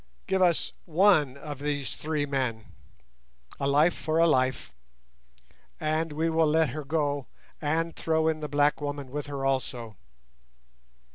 Give us one of these three men—a life for a life—and we will let her go, and throw in the black woman with her also.